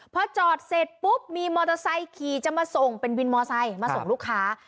พอจอดเสร็จปุ๊บมีมอเตอร์ไซค์ขี่จะมาส่งเป็นวินมอไซค์มาส่งลูกค้า